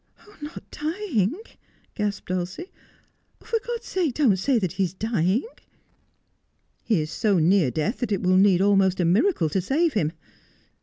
' Not dying,' gasped Dulcie. ' For God's sake don't say that he is dying.' ' He is so near death that it will need almost a miracle to save him.